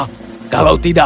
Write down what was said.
aku akan menemukanmu